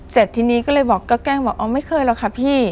เสร็จทีนี้ก็เลยบอกก็แกล้งบอกอ๋อไม่เคยหรอกค่ะพี่